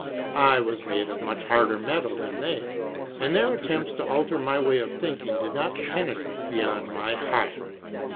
I was made of much harder metal than they, and their attempts to alter my way of thinking did not penetrate beyond my hide.